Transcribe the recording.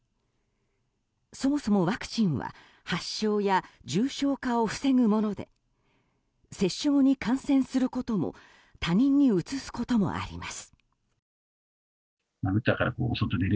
そもそもワクチンは発症や重症化を防ぐもので接種後に感染することも他人にうつすこともあります。